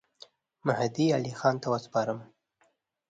مهدي علي خان ته وسپارم.